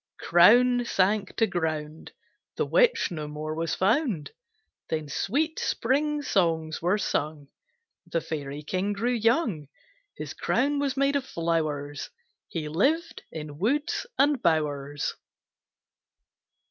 Crown sank to ground; The Witch no more was found. Then sweet spring songs were sung, The Fairy King grew young, His crown was made of flowers, He lived in woods and bowers.